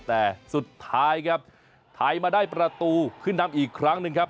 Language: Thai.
แต่สุดท้ายครับไทยมาได้ประตูขึ้นนำอีกครั้งหนึ่งครับ